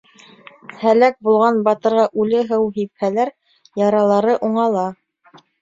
Һәләк булған батырға үле һыу һипһәләр, яралары уңала.